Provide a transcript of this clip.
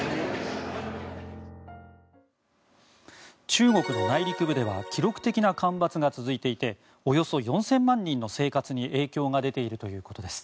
中国の内陸部では記録的な干ばつが続いていておよそ４０００万人の生活に影響が出ているということです。